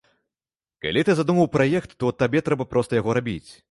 Калі ты задумаў праект, то табе трэба проста яго рабіць.